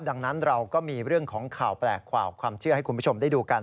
ดังนั้นเราก็มีเรื่องของข่าวแปลกข่าวความเชื่อให้คุณผู้ชมได้ดูกัน